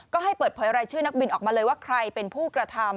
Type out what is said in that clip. ก็ให้เปิดเผยรายชื่อนักบินออกมาเลยว่าใครเป็นผู้กระทำ